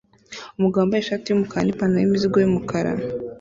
Umugabo wambaye ishati yumukara nipantaro yimizigo yumukara